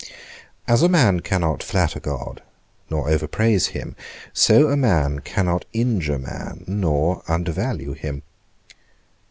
As a man cannot flatter God, nor overpraise him, so a man cannot injure man, nor undervalue him.